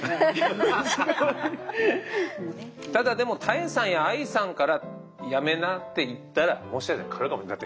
ただでも多江さんやＡＩさんからやめなって言ったらもしかしたら変わるかもって。